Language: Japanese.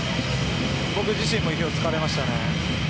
僕自身も意表を突かれましたね。